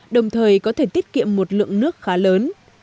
đồng thời có thể tiết kiệm một lượng nước khá lớn